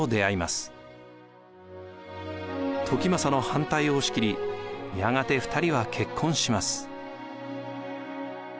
時政の反対を押し切りやがて２人は結婚します。